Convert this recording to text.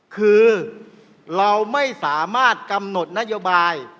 คือเราไม่สามารถกำหนดนโยบาย